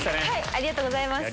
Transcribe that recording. ありがとうございます。